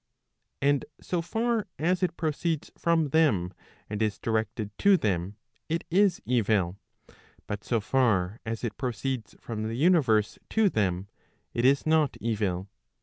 And so far as it proceeds from them and is directed to them, it is evil; but so far as it proceeds from the universe to them, it is not evil.